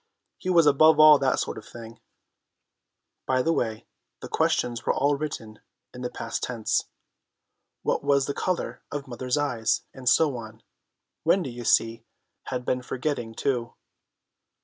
He was above all that sort of thing. By the way, the questions were all written in the past tense. What was the colour of Mother's eyes, and so on. Wendy, you see, had been forgetting, too.